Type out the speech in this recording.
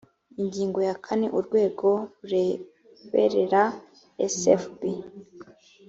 ingingo ya kane urwego rureberera sfb